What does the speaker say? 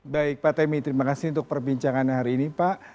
baik pak temi terima kasih untuk perbincangan hari ini pak